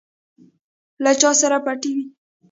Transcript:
له چا سره بتۍ وې.